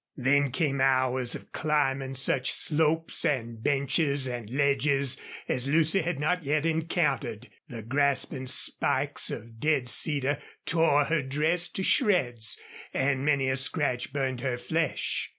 Then came hours of climbing such slopes and benches and ledges as Lucy had not yet encountered. The grasping spikes of dead cedar tore her dress to shreds, and many a scratch burned her flesh.